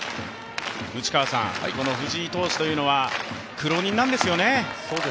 藤井投手というのは苦労人なんですよね。